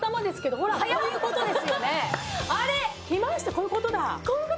こういうことです